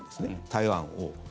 台湾を。